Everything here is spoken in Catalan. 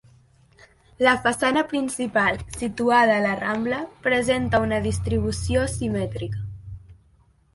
La façana principal, situada a la Rambla, presenta una distribució asimètrica.